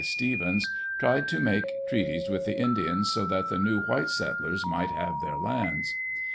Stevens, tried to make treaties with the Indians so that the new white settlers might have their lands.